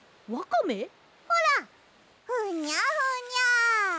ほらふにゃふにゃ。